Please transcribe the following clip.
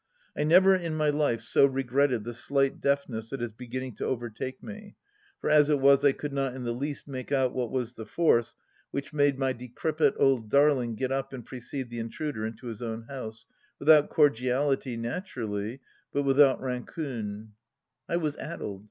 I never in my life so regretted the slight deafness that is beginning to overtake me, for as it was I could not in the least make out what was the force which made my de crepit old darling get up and precede the intruder into his own house— without cordiality, naturally, but without ran cune. I was addled.